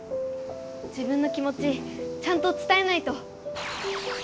自分の気もちちゃんとつたえないと。